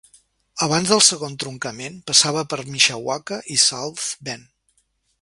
Abans del segon truncament, passava per Mishawaka i South Bend.